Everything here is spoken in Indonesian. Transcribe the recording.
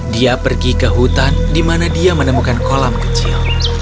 dia pergi ke hutan di mana dia menemukan kolam kecil